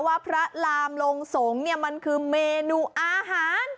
ว่าพระรามนวงสงศ์มันคือเมนูอาหาร